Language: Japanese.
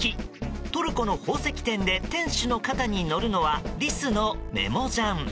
トルコの宝石店で店主の肩に乗るのはリスのメモジャン。